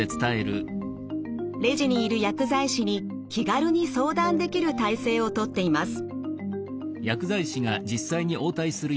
レジにいる薬剤師に気軽に相談できる体制をとっています。